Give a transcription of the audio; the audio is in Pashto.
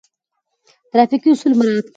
ترافیکي اصول مراعات کړئ.